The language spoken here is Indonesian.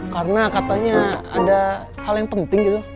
karena katanya ada hal yang penting gitu